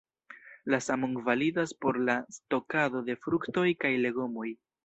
La samon validas por la stokado de fruktoj kaj legomoj.